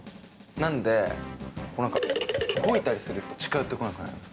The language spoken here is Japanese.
なんで、なんか動いたりすると、近寄ってこなくなります。